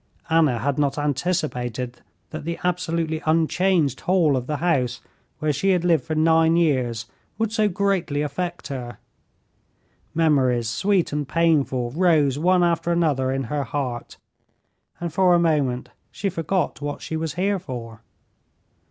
Anna had not anticipated that the absolutely unchanged hall of the house where she had lived for nine years would so greatly affect her. Memories sweet and painful rose one after another in her heart, and for a moment she forgot what she was here for.